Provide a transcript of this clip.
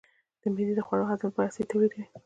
معده د خوړو د هضم لپاره اسید تولیدوي.